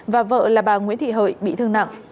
và vợ là bà nguyễn thị hợi bị thương nặng